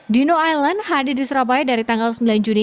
di new island hadi disrabai dari tanggal sembilan juli